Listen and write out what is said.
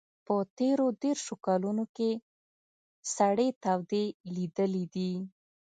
په تېرو دېرشو کلونو کې سړې تودې لیدلي دي.